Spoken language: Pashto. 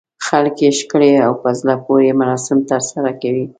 خلک یې ښکلي او په زړه پورې مراسم ترسره کوي.